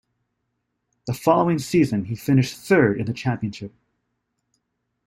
The following season he finished third in the championship.